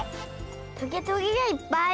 トゲトゲがいっぱい。